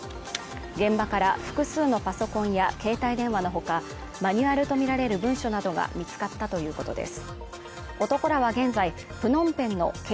現場から複数のパソコンや携帯電話のほかマニュアルとみられる文書などが見つかったということです